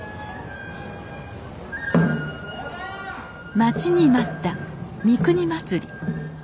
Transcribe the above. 待ちに待った三国祭。